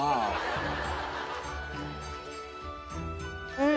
うん。